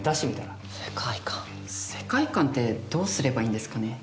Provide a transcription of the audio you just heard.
世界観ってどうすればいいんですかね？